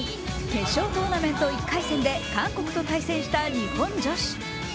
決勝トーナメント１回戦で韓国と対戦した日本女子。